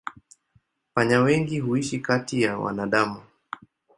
Panya wengi huishi kati ya wanadamu.